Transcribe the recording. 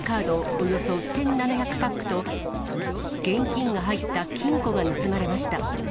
およそ１７００パックと、現金が入った金庫が盗まれました。